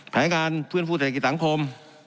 แผนการฟื้นฟูเศรษฐกิจสังคม